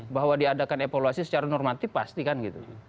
bahwa diadakan evaluasi secara normatif pasti kan gitu